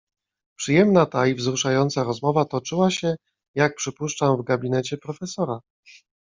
"Przyjemna ta i wzruszająca rozmowa toczyła się, jak przypuszczam w gabinecie profesora?"